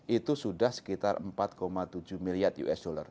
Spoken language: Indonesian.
itu sudah sekitar empat tujuh miliar usd